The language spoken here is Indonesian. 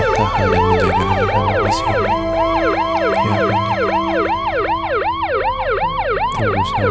kau lihat ya semua orang itu